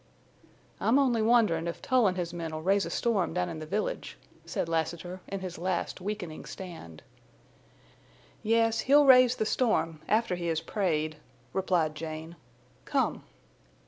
"I'm only wonderin' if Tull an' his men'll raise a storm down in the village," said Lassiter, in his last weakening stand. "Yes, he'll raise the storm—after he has prayed," replied Jane. "Come."